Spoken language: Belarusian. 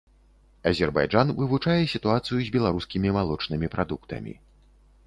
Азербайджан вывучае сітуацыю з беларускімі малочнымі прадуктамі.